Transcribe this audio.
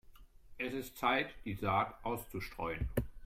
Es ist Zeit, die Saat auszustreuen.